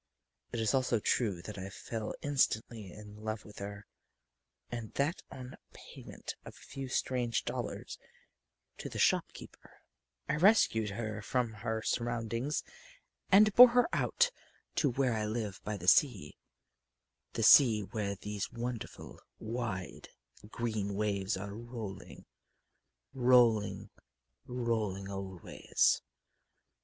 It is also true that I fell instantly in love with her, and that on payment of a few strange dollars to the shop keeper, I rescued her from her surroundings and bore her out to where I live by the sea the sea where these wonderful, wide, green waves are rolling, rolling, rolling always.